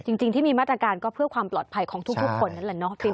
จริงที่มีมาตรการก็เพื่อความปลอดภัยของทุกคนนั่นแหละเนาะ